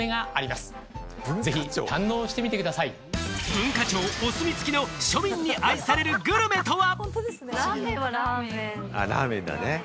文化庁お墨付きの庶民に愛されるグルメとは？